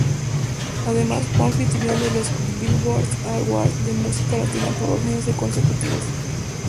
Además fue anfitrión de los Billboard Awards de música latina por dos años consecutivos.